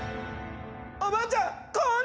おばあちゃん